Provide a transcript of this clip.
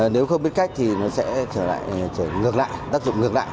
nếu không biết cách thì nó sẽ trở lại ngược lại tác dụng ngược lại